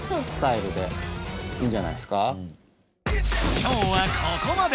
今日はここまで。